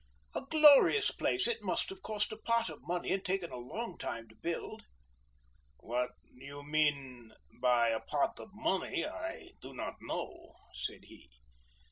"A glorious place! It must have cost a pot of money, and taken a long time to build." "What you mean by a pot of money I do not know," said he.